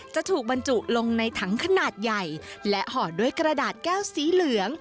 จะถูกบรรจุลงในถังขนาดใหญ่และห่อด้วยกระดาษแก้วสีเหลือง